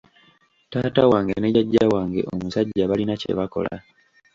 Taata wange ne jjajja wange omusajja balina bye bakola.